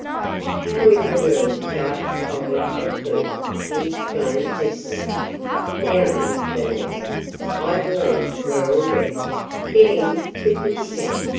"How in the world could I have spotted a clue?" he exclaimed testily. "Now, then, Bernice, I believe we 're all ready. Get in, quick as you can!